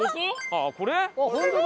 ああこれ？